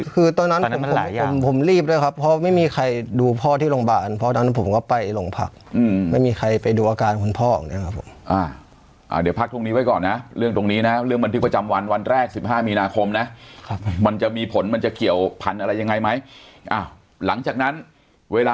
คือตอนนั้นผมผมรีบด้วยครับเพราะไม่มีใครดูพ่อที่โรงพยาบาลเพราะตอนนั้นผมก็ไปโรงพักไม่มีใครไปดูอาการคุณพ่ออย่างนี้ครับผมเดี๋ยวพักตรงนี้ไว้ก่อนนะเรื่องตรงนี้นะเรื่องบันทึกประจำวันวันแรก๑๕มีนาคมนะมันจะมีผลมันจะเกี่ยวพันธุ์อะไรยังไงไหมอ้าวหลังจากนั้นเวลา